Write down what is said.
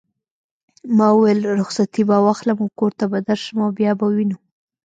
ما وویل: رخصتې به واخلم او کور ته به درشم او بیا به وینو.